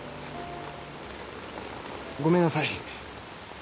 ごめんなさい。